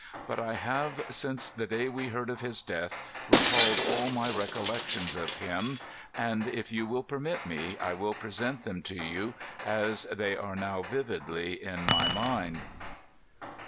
But I have, since the day we heard of his death, recalled all my recollections of him ; and, if you will permit me, I will present them to you as they are now vividly in my mind.